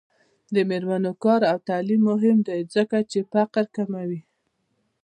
د میرمنو کار او تعلیم مهم دی ځکه چې فقر کموي.